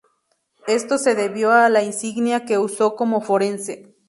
Esto se debió a la insignia que usó como forense.